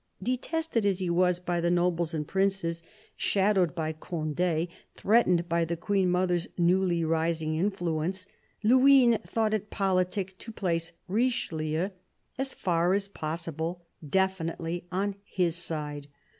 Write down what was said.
Detested as he was by the nobles and princes, shadowed by Conde, threatened by the Queen mother's newly rising influence, Luynes thought it politic to place Richelieu, as far as possible, definitely on his side.